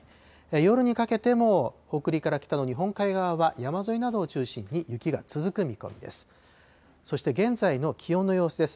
夜にかけても北陸から北の日本海側は、山沿いなどを中心に雪が続く見込みです。